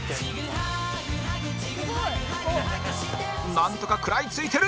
なんとか食らいついてる！